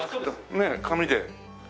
ねえ紙で。